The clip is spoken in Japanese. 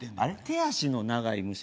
手足の長い虫？